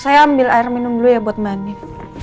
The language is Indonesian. saya ambil air minum dulu ya buat mbak nif